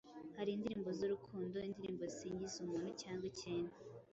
hari indirimbo z’urukundo, indirimbo zisingiza umuntu cyangwa ikintu,